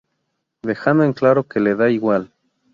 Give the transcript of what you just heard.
Dejando en claro que le da igual.